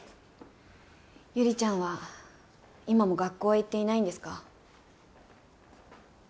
悠里ちゃんは今も学校へ行っていないんですか？